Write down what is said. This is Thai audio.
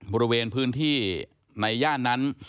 บริเวณพื้นที่ในย่านนั้น